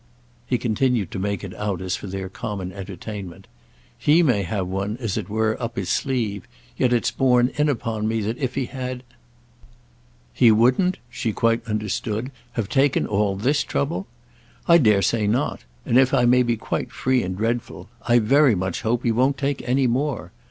He continued to make it out as for their common entertainment. "He may have one, as it were, up his sleeve; yet it's borne in upon me that if he had—" "He wouldn't"—she quite understood—"have taken all this trouble? I dare say not, and, if I may be quite free and dreadful, I very much hope he won't take any more.